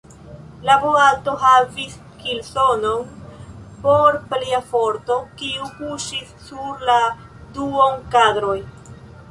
La boato havis kilsonon por plia forto, kiu kuŝis sur la duonkadroj.